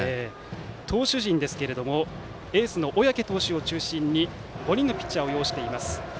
投手陣ですがエースの小宅投手を中心に５人のピッチャーを擁しています。